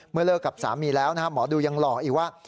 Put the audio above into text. เลิกกับสามีแล้วหมอดูยังหลอกอีกว่า